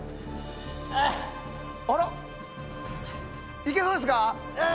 いけそうですか？